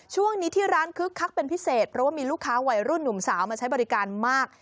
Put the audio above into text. ช่วงนี้ที่ร้านคึกคักเป็นพิเศษเพราะว่ามีลูกค้าวัยรุ่นหนุ่มสาวมาใช้บริการมาก